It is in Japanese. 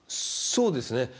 そうですね。